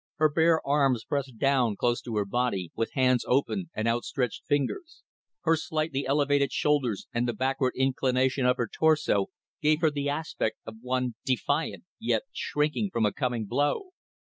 Her bare arms pressed down close to her body, with hands open and outstretched fingers; her slightly elevated shoulders and the backward inclination of her torso gave her the aspect of one defiant yet shrinking from a coming blow.